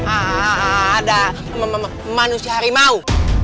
ada manusia harimau